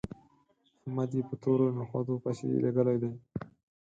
احمد يې په تورو نخودو پسې لېږلی دی